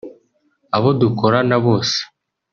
abo dukorana bose